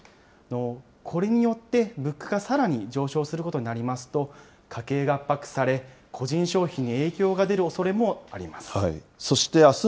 これによって、物価がさらに上昇することになりますと、家計が圧迫され、個人消費に影響が出るおそれもあります。